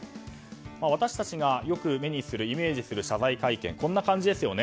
私たちがよく目にするイメージする謝罪会見こんな感じですよね。